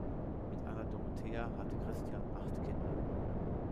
Mit Anna Dorothea hatte Christian acht Kinder.